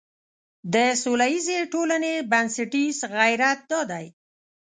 د سولیزې ټولنې بنسټیز غیرت دا دی.